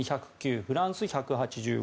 フランス、１８５